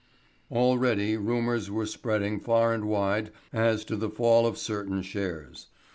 Already rumours were spreading far and wide as to the fall of certain shares.